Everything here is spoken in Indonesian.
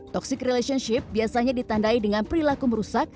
toxic relationship biasanya ditandai dengan perilaku merusak